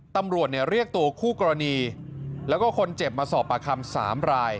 ตำรวจเรียกตัวคู่กรณีแล้วก็คนเจ็บมาสอบปากคำ๓ราย